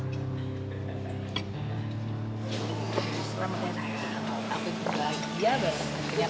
selamat ya raya